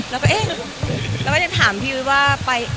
เราก็เอ้ะเราไม่ได้ถามพี่ว่าไป